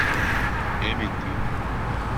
he mentido